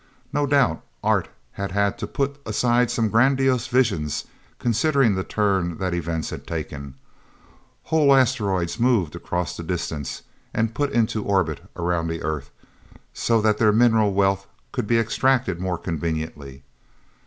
No doubt Art had had to put aside some grandiose visions, considering the turn that events had taken: Whole asteroids moved across the distance, and put into orbit around the Earth, so that their mineral wealth could be extracted more conveniently.